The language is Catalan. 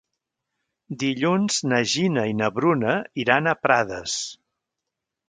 Dilluns na Gina i na Bruna iran a Prades.